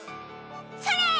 それ！